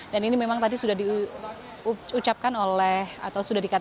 dan ini memang tadi sudah diucapkan oleh atau sudah dikatakan